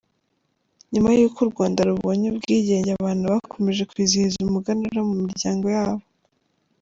Nyuma y’uko u Rwanda rubonye ubwigenge, abantu bakomeje kwizihiza Umuganura mu miryango yabo.